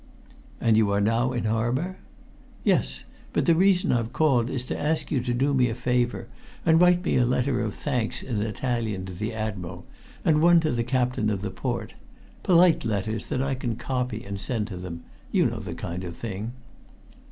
"And you are now in harbor?" "Yes. But the reason I've called is to ask you to do me a favor and write me a letter of thanks in Italian to the Admiral, and one to the Captain of the Port polite letters that I can copy and send to them. You know the kind of thing."